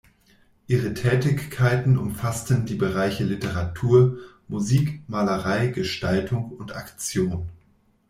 Ihre Tätigkeiten umfassten die Bereiche Literatur, Musik, Malerei, Gestaltung und Aktion.